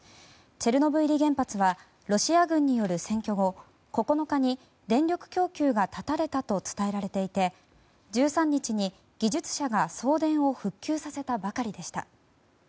チェルノブイリ原発はロシア軍による占拠後９日に電力供給が絶たれたと伝えられていて１２日に技術者が送電を復旧させたばかりでした。